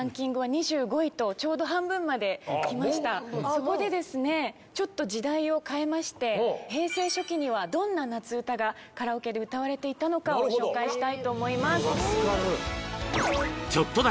そこでですねちょっと時代を変えまして平成初期にはどんな夏うたがカラオケで歌われていたのかをご紹介したいと思います。